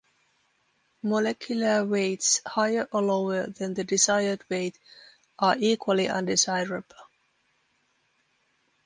Molecular weights higher or lower than the desired weight are equally undesirable.